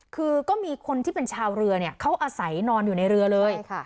คือก็มีคนที่เป็นชาวเรือเนี่ยเขาอาศัยนอนอยู่ในเรือเลย